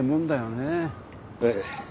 ええ。